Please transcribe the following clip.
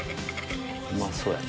うまそうや。